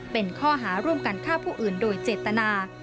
เป็นข้อหาร่วมกันฆ่าผู้อื่นโดยเจตนา